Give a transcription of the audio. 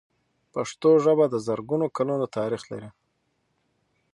پښتو ژبه د زرګونو کلونو تاریخ لري.